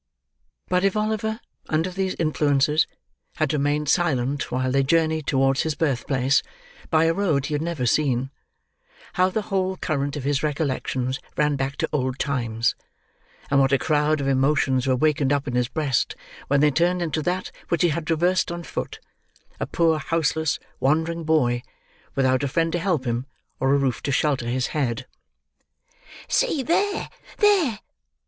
But if Oliver, under these influences, had remained silent while they journeyed towards his birth place by a road he had never seen, how the whole current of his recollections ran back to old times, and what a crowd of emotions were wakened up in his breast, when they turned into that which he had traversed on foot: a poor houseless, wandering boy, without a friend to help him, or a roof to shelter his head. "See there, there!"